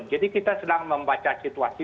jadi kita sedang membaca situasi